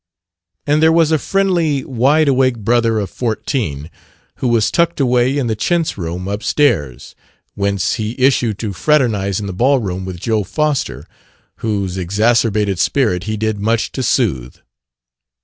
And there was a friendly, wide awake brother of fourteen who was tucked away in the chintz room up stairs, whence he issued to fraternize in the ball room with Joe Foster, whose exacerbated spirit he did much to soothe.